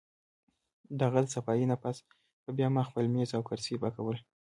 د هغه د صفائي نه پس به بیا ما خپل مېز او کرسۍ پاکول